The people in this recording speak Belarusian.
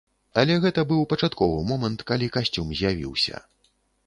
Але гэта быў пачатковы момант, калі касцюм з'явіўся.